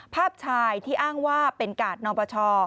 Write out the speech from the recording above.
ภาพชายที่อ้างว่าเป็นกาดนอปช